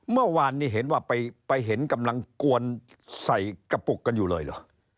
เมื่อวานนี้เห็นว่าไปเห็นกำลังกวนใส่กระปุกกันอยู่เลยเหรอ